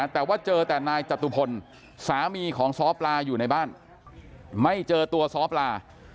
แต่ว่าเจอแต่นายจตุพลสามีของซ้อปลาอยู่ในบ้านไม่เจอตัวซ้อปลา